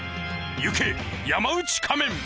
［行け山内仮面！］